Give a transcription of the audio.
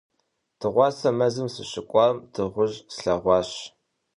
Дыгъуасэ мэзым сыщыкӀуам дыгъужь слъэгъуащ.